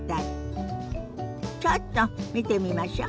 ちょっと見てみましょ。